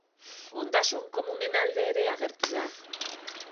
Ondasun komunen alde ere agertu da.